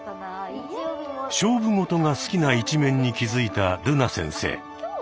勝負事が好きな一面に気付いたるな先生。